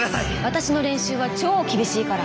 私の練習は超厳しいから。